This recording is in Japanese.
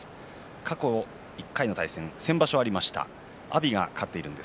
過去１敗の対戦、先場所ありました阿炎が勝っています。